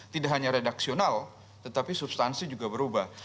tidak hanya redaksional tetapi substansi juga berubah